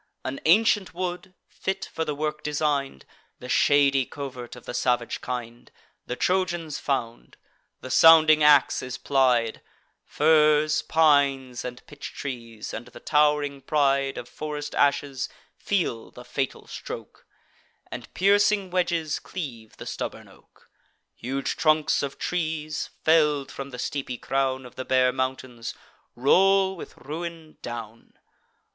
An ancient wood, fit for the work design'd, (The shady covert of the salvage kind,) The Trojans found: the sounding ax is plied; Firs, pines, and pitch trees, and the tow'ring pride Of forest ashes, feel the fatal stroke, And piercing wedges cleave the stubborn oak. Huge trunks of trees, fell'd from the steepy crown Of the bare mountains, roll with ruin down.